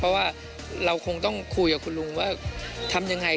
เพราะว่าเราคงต้องคุยกับคุณลุงว่าทำยังไง